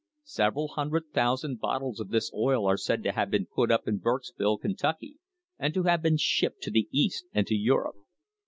Several hundred thousand bot tles of this oil are said to have been put up in Burkesville, Kentucky, and to have been shipped to the East and to Europe.